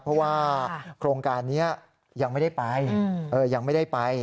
เพราะว่าโครงการนี้ยังไม่ได้ไป